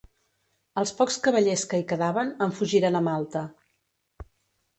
Els pocs cavallers que hi quedaven en fugiren a Malta.